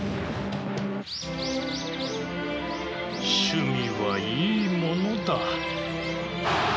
趣味はいいものだ。